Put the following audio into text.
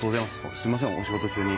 すみませんお仕事中に。